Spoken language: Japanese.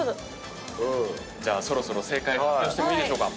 じゃあそろそろ正解発表してもいいでしょうか。